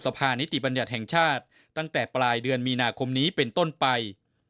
ภานิติบัญญัติแห่งชาติตั้งแต่ปลายเดือนมีนาคมนี้เป็นต้นไป